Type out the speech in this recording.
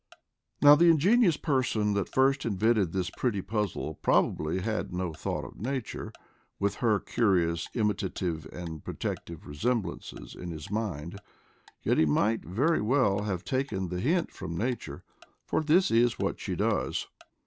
Now the ingenious person that first invented this pretty puzzle probably had no thought of Nature, with her curious imitative and protective resemblances, in his mind ; yet he might very well have taken the hint from Nature, for this is what she does.